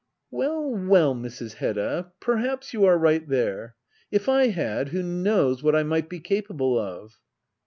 ] Well well^ Mrs. Hedda — ^perkaps^ you are right there. If I had, who knows what I might be capable of